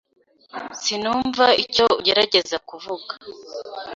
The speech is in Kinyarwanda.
Sinumva icyo ugerageza kuvuga.